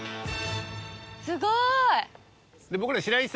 すごい。